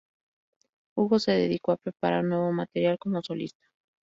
Hugo se dedicó a preparar nuevo material como solista.